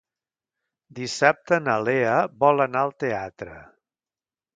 Dissabte na Lea vol anar al teatre.